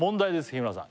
日村さん